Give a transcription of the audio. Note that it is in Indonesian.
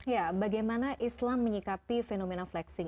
ya bagaimana islam menyikapi fenomena flexing